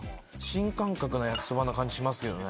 新感覚な焼そばな感じしますけどね。